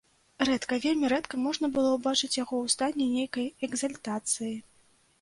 Рэдка, вельмі рэдка можна было ўбачыць яго ў стане нейкай экзальтацыі.